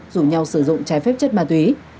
rủ nhau sử dụng trái phép chất ma túy